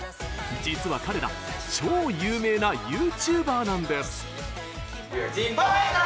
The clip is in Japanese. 実は彼ら超有名なＹｏｕＴｕｂｅｒなんです。